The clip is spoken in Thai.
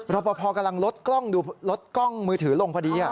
รอปภกำลังลดกล้องมือถือลงพอดี